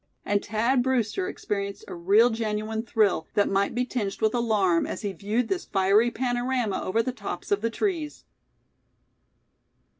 And Thad Brewster experienced a real genuine thrill, that might be tinged with alarm, as he viewed this fiery panorama over the tops of the trees.